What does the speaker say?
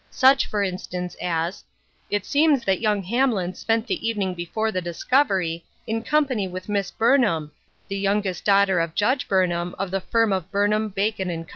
Such, for instance, as " It seems that young Hamlin spent the evening before the discovery, in company with Miss Burn ham, the youngest daughter of Judge Burnham of the firm of Burnham, Bacon & Co."